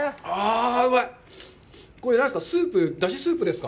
これ、スープ、出汁スープですか？